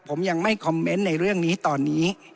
ผมยังไม่คอมเมนต์ในเรื่องนี้ตอนนี้